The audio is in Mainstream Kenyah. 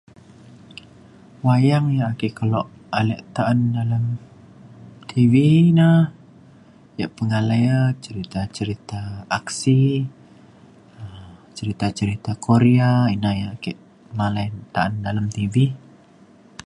wayang ya' ake kelok alik ta'an dalem tv ne ya' pengalai e cerita-cerita aksi um cerita cerita korea ina na ya' ake malai ta'an dalem tv.